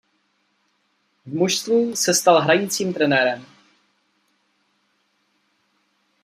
V mužstvu se stal hrajícím trenérem.